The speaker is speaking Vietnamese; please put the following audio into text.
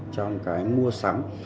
trong cái mua sắm